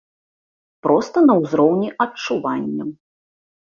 Проста на ўзроўні адчуванняў.